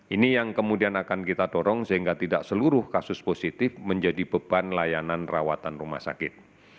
ini yang kemudian akan kita dorong sehingga tidak seluruh kasus positif menjadi beban layanan rawatan rumah sakit